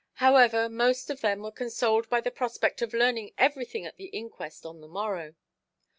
However, most of them were consoled by the prospect of learning everything at the inquest on the morrow.